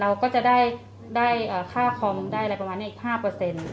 เราก็จะได้ได้อ่าค่าคอมได้อะไรประมาณเนี้ยอีกห้าเปอร์เซ็นต์